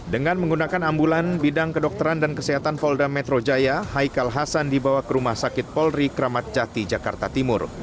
dengan menggunakan ambulan bidang kedokteran dan kesehatan polda metro jaya haikal hasan dibawa ke rumah sakit polri kramat jati jakarta timur